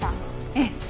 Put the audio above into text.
ええ。